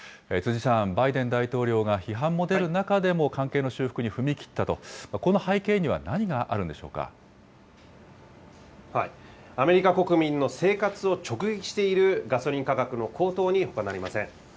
辻さん、バイデン大統領が批判も出る中でも関係の修復に踏み切ったと、この背景には何があるんでアメリカ国民の生活を直撃しているガソリン価格の高騰にほかなりません。